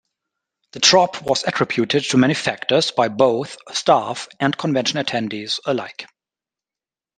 The drop was attributed to many factors by both staff and convention attendees alike.